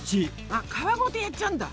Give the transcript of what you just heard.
あ皮ごとやっちゃうんだ。